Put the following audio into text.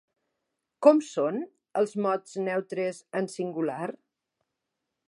Com són els mots neutres en singular?